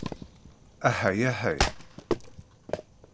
Aḥay aḥay!